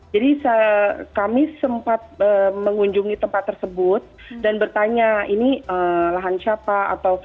jadi kami sempat mengunjungi tempat tersebut dan bertanya ini lahan siapa atau